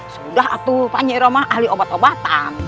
sudah atu pak nyi roma ahli obat obatan